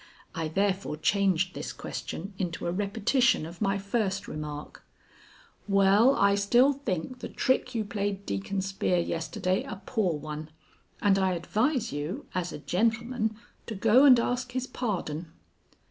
I therefore changed this question into a repetition of my first remark: "Well, I still think the trick you played Deacon Spear yesterday a poor one; and I advise you, as a gentleman, to go and ask his pardon."